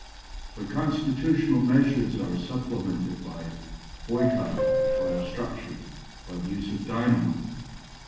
But constitutional measures are supplemented by boycotting, by obstruction, by the use of dynamite.